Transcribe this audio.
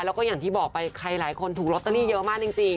แล้วก็อย่างที่บอกไปใครหลายคนถูกลอตเตอรี่เยอะมากจริง